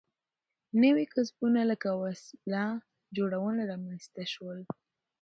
نوي کسبونه لکه وسله جوړونه رامنځته شول.